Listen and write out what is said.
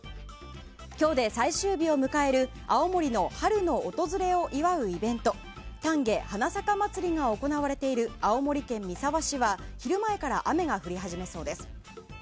今日で最終日を迎える青森の春の訪れを祝うイベントたんげ花咲かまつりが行われている青森県三沢市は昼前から雨が降り始めそうです。